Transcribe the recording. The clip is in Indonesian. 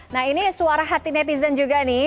nah ini suara hati netizen juga nih